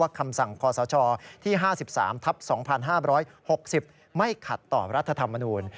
คำสั่งคศที่๕๓ทับ๒๕๖๐ไม่ขัดต่อรัฐธรรมนูล